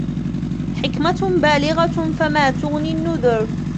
حكمة بالغة فما تغن النذر